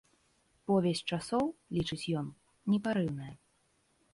Повязь часоў, лічыць ён, непарыўная.